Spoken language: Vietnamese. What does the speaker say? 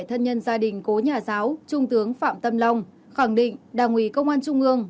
thân nhân gia đình cố nhà giáo trung tướng phạm tâm long khẳng định đảng ủy công an trung ương